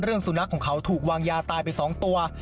สุนัขของเขาถูกวางยาตายไป๒ตัว